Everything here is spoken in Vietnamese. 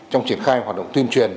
trong triển khai hoạt động tuyên truyền